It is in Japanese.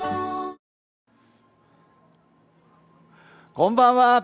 こんばんは。